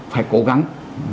phải cố gắng